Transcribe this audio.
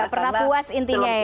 pernah puas intinya ya